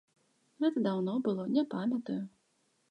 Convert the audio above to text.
Гэта даўно было, не памятаю.